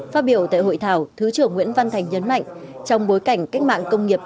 phát biểu tại hội thảo thứ trưởng nguyễn văn thành nhấn mạnh trong bối cảnh cách mạng công nghiệp bốn